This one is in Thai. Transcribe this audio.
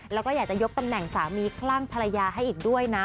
แล้วก็อยากจะยกตำแหน่งสามีคลั่งภรรยาให้อีกด้วยนะ